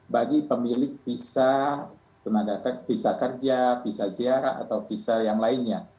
bagi pemilik visa tenaga visa kerja visa ziarah atau visa yang lainnya